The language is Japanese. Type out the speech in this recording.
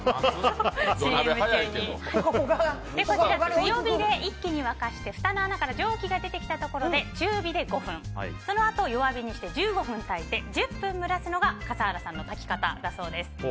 強火で一気に沸かしてふたの穴から蒸気が出てきたところで中火で５分そのあと弱火にして１５分炊いて１０分蒸らすのが笠原さんの炊き方だそうです。